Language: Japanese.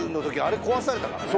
あれ壊されたからね